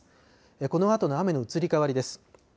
このあとの雨の移り変わりです。